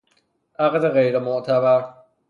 عقد غیر معتبر